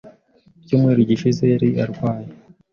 Mu cyumweru gishize yari arwaye.